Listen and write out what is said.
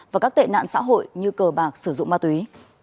và các tệ nạn xã hội như cờ bạc sử dụng ma túy